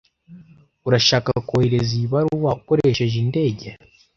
Urashaka kohereza iyi baruwa ukoresheje indege?